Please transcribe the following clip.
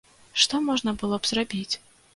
Што можна было б зрабіць?